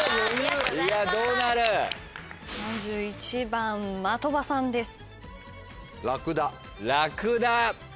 ３１番的場さんです。